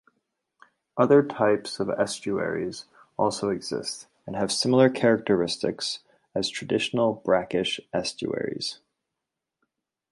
Other types of estuaries also exist and have similar characteristics as traditional brackish estuaries.